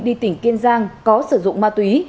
đi tỉnh kiên giang có sử dụng ma túy